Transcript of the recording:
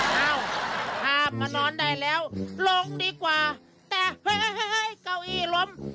เอ้าข้ามมานอนได้แล้วลงดีกว่าแต่เฮ้ยเฮ้ยเฮ้ยเฮ้ยเก้าอีล้ม